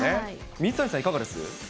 水谷さん、いかがです？